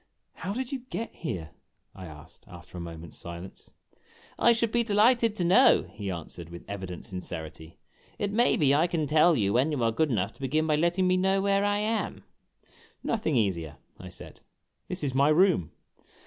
"How did you get here?" I asked, after a moment's silence. " I should be delighted to know," he answered, with evident sin cerity. "It may be I can tell you, when you are good enough to begin by letting me know where I am." "Nothing easier," I said. "This is my room."